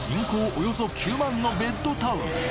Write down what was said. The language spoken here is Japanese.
およそ９万のベッドタウン